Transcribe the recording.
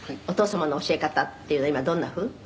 お父様の教え方っていうのは今どんな風？」